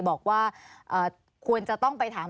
บอกว่าควรจะต้องไปถาม